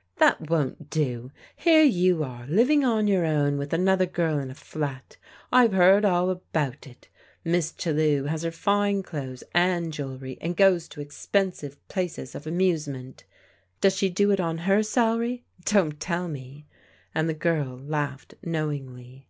" That won't do. Here you are, living on your own with another girl in a flat. I've heard all about it. Miss Chellew has her fine clothes and jewelry, and goes to THE "GOOD FRIEND'' 227 expensive places of amusement. Does she do it on her salary ? Don't tell me," and the girl laughed knowingly.